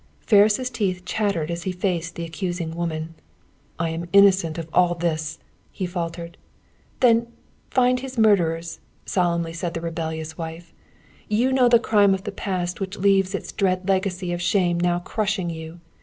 Ferris' teeth chattered as he faced the accusing woman. "I am innocent of all this," he faltered. "Then, find his murderers!" solemnly said the rebellious wife. "You know the crime of the past which leaves its dread legacy of shame now crushing you.